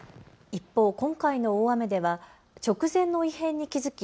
一方、今回の大雨では直前の異変に気付き